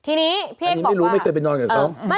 ที่นี้พีเคบอกว่าอันนี้ไม่รู้ไม่เคยไปนอนเหมือนเขา